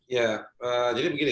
ya jadi begini